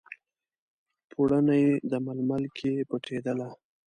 پوړني، د ململ کې پټیدله